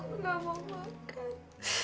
aku gak mau makan